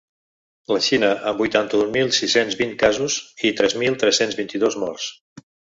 La Xina, amb vuitanta-un mil sis-cents vint casos i tres mil tres-cents vint-i-dos morts.